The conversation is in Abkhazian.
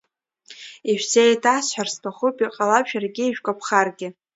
Ишәзеиҭасҳәар сҭахуп, иҟалап шәаргьы ишәгәаԥхаргьы.